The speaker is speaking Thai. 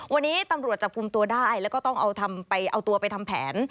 วันนี้ตำรวจจับกลุ่มตัวได้แล้วก็ต้องเอาไปเอาตัวไปทำแผน